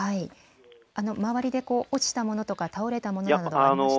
周りで落ちたものとか倒れたものはありましたか。